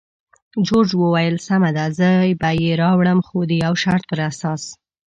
جورج وویل: سمه ده، زه به یې راوړم، خو د یو شرط پر اساس.